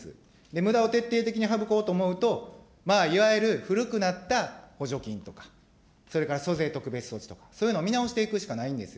むだを徹底的に省こうと思うと、いわゆる古くなった補助金とか、それから租税特別措置とか、そういうのを見直していくしかないんですよ。